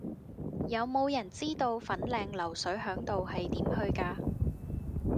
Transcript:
有無人知道粉嶺流水響道係點去㗎